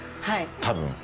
多分。